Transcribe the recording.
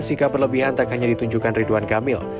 sikap berlebihan tak hanya ditunjukkan ridwan kamil